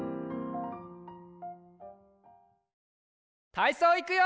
たいそういくよ！